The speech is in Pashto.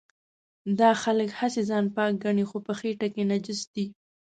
دا خلک هسې ځان پاک ګڼي خو په خټه کې نجس دي.